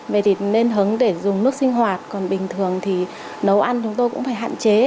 về thì nên hứng để dùng nước sinh hoạt còn bình thường thì nấu ăn chúng tôi cũng phải hạn chế